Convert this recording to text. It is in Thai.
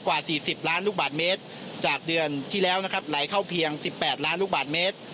กว่า๔๐ล้านลูกบาทเมตรจากเดือนที่แล้วนะครับไหลเข้าเพียง๑๘ล้านลูกบาทเมตร